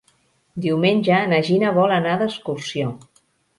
Diumenge na Gina vol anar d'excursió.